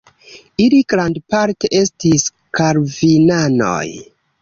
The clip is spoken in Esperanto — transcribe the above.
Ili grandparte estis kalvinanoj.